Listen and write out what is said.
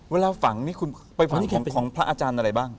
เวลาฝังนี่คุณไปฝังเข็มของพระอาจารย์อะไรบ้าง